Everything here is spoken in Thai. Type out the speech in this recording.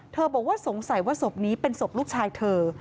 บอกว่าสงสัยว่าศพนี้เป็นศพลูกชายเธอ